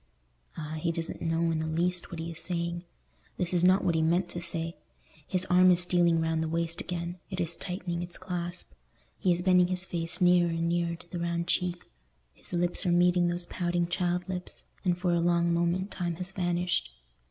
Ah, he doesn't know in the least what he is saying. This is not what he meant to say. His arm is stealing round the waist again; it is tightening its clasp; he is bending his face nearer and nearer to the round cheek; his lips are meeting those pouting child lips, and for a long moment time has vanished.